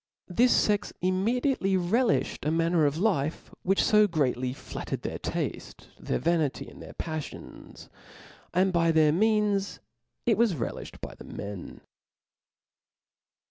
This lex immediately relifhed a manner of life which lb greatly flattered their tafte, their vanity, and their pailions; and by their means it was relifhed by the men.